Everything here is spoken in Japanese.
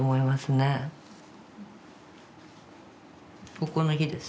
ここの日です。